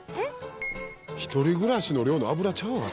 「一人暮らしの量の油ちゃうな」